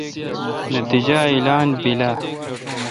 نتییجہ اعلان بیل آ؟